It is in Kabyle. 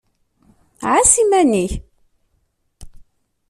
Ɛass iman-ik.